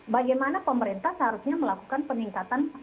bagaimana pemerintah seharusnya melakukan peningkatan